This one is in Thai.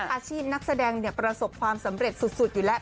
อาชีพนักแสดงประสบความสำเร็จสุดอยู่แล้ว